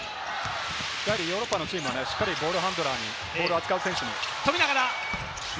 ヨーロッパのチームはしっかりボールハンドラーに、ボールを扱う選手に。